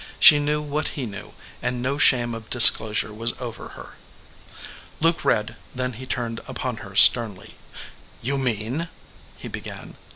She knew that he knew, and no shame of disclosure was over her. Luke read, then he turned upon her sternly. "You mean " he began.